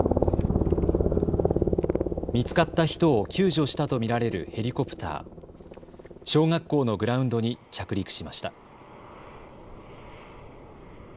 見つかった人を救助したと見られるヘリコプター小学校のグラウンドに着陸しました。